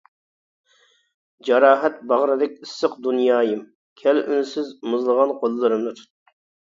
جاراھەت باغرىدەك ئىسسىق دۇنيايىم، كەل ئۈنسىز، مۇزلىغان قوللىرىمنى تۇت.